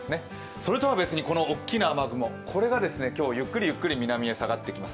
それとは別にこの大きな雨雲、これがゆっくり南に下がってきます。